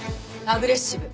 アグレッシブ！